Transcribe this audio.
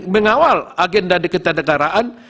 mengawal agenda dan ketandekaraan